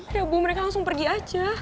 ya bu mereka langsung pergi aja